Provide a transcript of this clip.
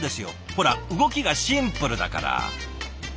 ほら動きがシンプルだから。